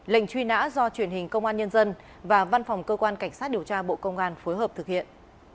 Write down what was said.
lệnh truy nã do truyền hình công an nhân dân và văn phòng cơ quan cảnh sát điều tra bộ công an phối hợp thực hiện